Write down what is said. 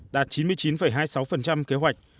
đạt chín mươi chín hai mươi sáu kế hoạch